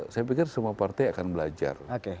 saya pikir semua partai akan belajar